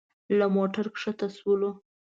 له موټره ښکته شولو.